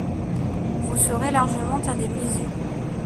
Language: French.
Vous serez largement indemnisés.